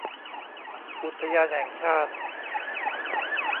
อุทยานแห่งชาติ